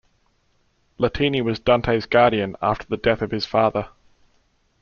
Latini was Dante’s guardian after the death of his father.